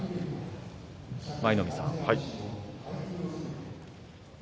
舞の海さん